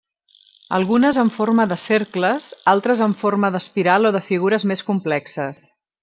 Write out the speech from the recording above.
Algunes en forma de cercles, altres en forma d'espiral o de figures més complexes.